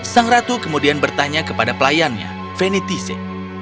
sang ratu kemudian bertanya kepada pelayannya venitize